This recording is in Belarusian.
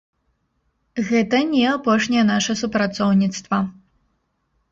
Гэта не апошняе наша супрацоўніцтва.